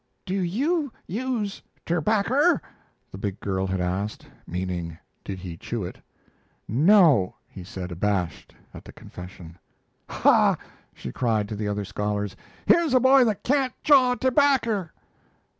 "Do you use terbacker?" the big girl had asked, meaning did he chew it. "No," he said, abashed at the confession. "Haw!" she cried to the other scholars; "here's a boy that can't chaw terbacker."